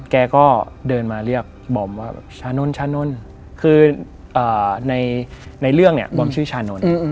แกก็เดินมาเรียกบอมว่าชานนทชานนท์คือในเรื่องเนี่ยบอมชื่อชานนท์